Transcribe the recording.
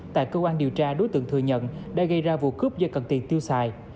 tại cơ quan điều tra đối tượng thừa nhận đã gây ra vụ cướp do cần tiền tiêu xài